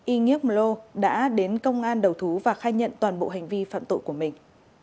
y ngọc lo đã đến công an đầu thú và khai nhận toàn bộ hành vi phạm tội của mình